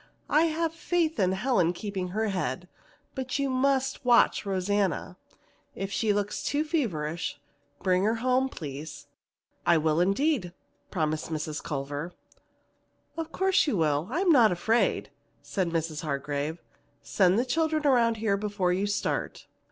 "I have faith in Helen keeping her head, but you must watch Rosanna. If she looks too feverish, bring her home, please." "I will indeed," promised Mrs. Culver. "Of course you will; I am not afraid," said Mrs. Hargrave. "Send the children around here before you start."